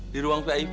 di ruang vip